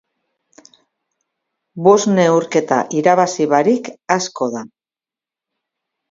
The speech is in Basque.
Bost neurketa irabazi barik asko da.